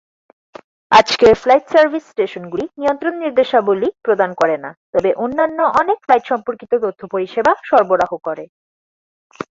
আজকের flight service স্টেশনগুলি নিয়ন্ত্রণ নির্দেশাবলী প্রদান করে না, তবে অন্যান্য অনেক ফ্লাইট সম্পর্কিত তথ্য পরিষেবা সরবরাহ করে।